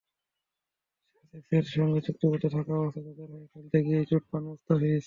সাসেক্সের সঙ্গে চুক্তিবদ্ধ থাকা অবস্থায় তাদের হয়ে খেলতে গিয়েই চোট পান মুস্তাফিজ।